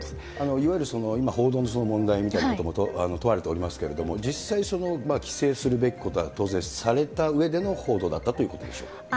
いわゆる今報道の問題みたいなことも問われておりますけれども、実際、規制するべきことは当然されたうえでの報道だったということでしょうか。